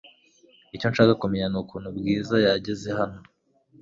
Icyo nshaka kumenya nukuntu Bwiza yageze hano.